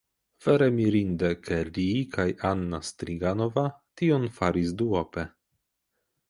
Vere mirinde, ke li kaj Anna Striganova tion faris duope.